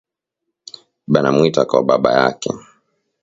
Banamuita kwa babayake